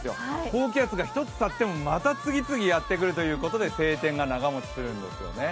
高気圧が１つ去ってもまた次々やってくるということで晴天が長もちするんですよね。